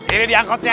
ini dia angkotnya